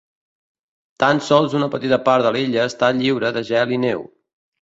Tant sol una petita part de l'illa està lliure de gel i neu.